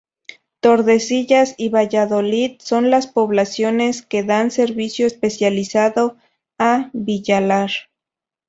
Tordesillas y Valladolid son las poblaciones que dan servicio especializado a Villalar.